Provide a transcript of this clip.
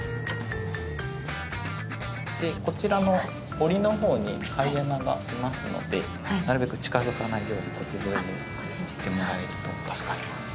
こちらの檻のほうにハイエナがいますのでなるべく近づかないようにこっち沿いに行ってもらえると助かります。